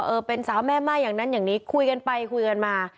เป็นสาวแม่ม่ายอย่างนั้นอย่างนี้คุยกันไปคุยกันมา